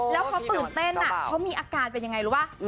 แล้วเขาตื่นเต้นเขามีอาการเป็นยังไงรู้ป่ะ